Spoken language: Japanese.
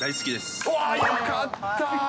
よかった。